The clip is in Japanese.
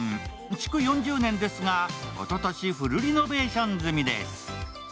築４０年ですが、おととしフルリノベーション済みです。